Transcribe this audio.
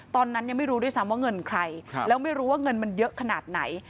ตอนนั้นยังไม่รู้ด้วยซ้ำว่าเงินใครแล้วไม่รู้ว่าเงินมันเยอะขนาดไหน